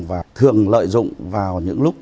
và thường lợi dụng vào những lúc